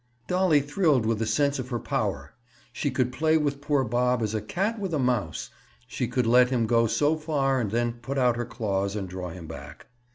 Dolly thrilled with a sense of her power. She could play with poor Bob as a cat with a mouse; she could let him go so far and then put out her claws and draw him back.